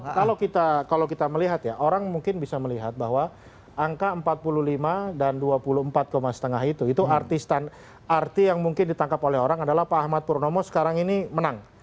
nah kalau kita melihat ya orang mungkin bisa melihat bahwa angka empat puluh lima dan dua puluh empat lima itu itu arti yang mungkin ditangkap oleh orang adalah pak ahmad purnomo sekarang ini menang